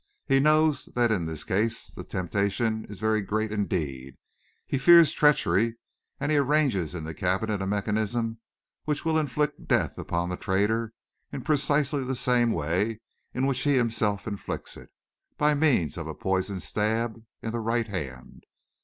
He knows that in this case the temptation is very great indeed; he fears treachery, and he arranges in the cabinet a mechanism which will inflict death upon the traitor in precisely the same way in which he himself inflicts it by means of a poisoned stab in the right hand.